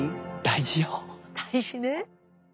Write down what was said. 大事ね。